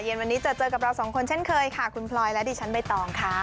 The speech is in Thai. วันนี้จะเจอกับเราสองคนเช่นเคยค่ะคุณพลอยและดิฉันใบตองค่ะ